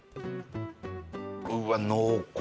うわ濃厚！